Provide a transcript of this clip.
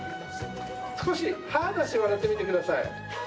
少し歯を出して笑ってみてください。